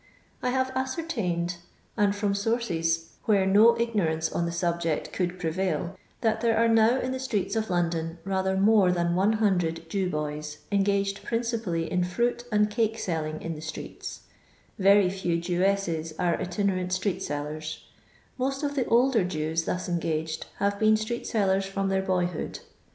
I HAVK ascertained, and from sources where no a on the aolject ooold pferafl, that there in the sUeeto of London, rather men than 100 Jew boys engaged principally in finit and cake eeOiqg in the streets. Very few Jewessea are itinennt atree^eeUers. Most of the older Jews thos engaged have been street seHen from their boyhood.